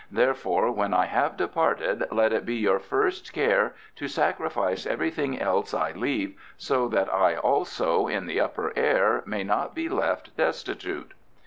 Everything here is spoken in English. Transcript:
Therefore when I have departed let it be your first care to sacrifice everything else I leave, so that I also, in the Upper Air, may not be left destitute."